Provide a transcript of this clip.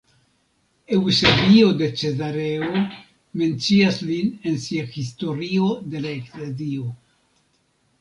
Eŭsebio de Cezareo mencias lin en sia Historio de la Eklezio.